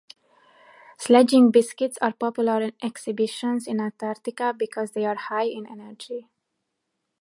Sledging biscuits are popular on expeditions in Antarctica because they are high in energy.